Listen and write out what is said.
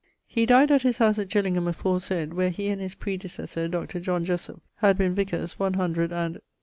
He dyed at his house at Gillingham aforesaid, where he and his predecessor, Dr. Jessop, had been vicars one hundred and